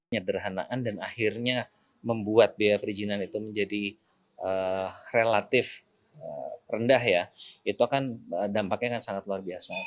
nyederhanaan dan akhirnya membuat biaya perizinan itu menjadi relatif rendah ya itu kan dampaknya akan sangat luar biasa